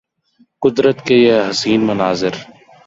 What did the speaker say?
قدرت کے یہ حسین مناظر